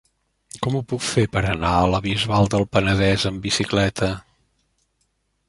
Com ho puc fer per anar a la Bisbal del Penedès amb bicicleta?